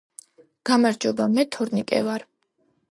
გამარჯობა მე თორნიკე ვარ